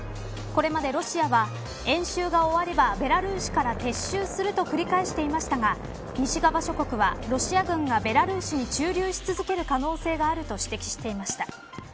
これまでロシアは演習が終わればベラルーシから撤収すると繰り返していましたが西側諸国は、ロシア軍がベラルーシに駐留し続ける可能性があると指摘していました。